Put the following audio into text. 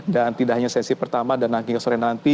dan tidak hanya sesi pertama dan akhirnya sore nanti